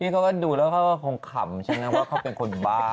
เขาก็ดูแล้วเขาก็คงขำใช่ไหมว่าเขาเป็นคนบ้า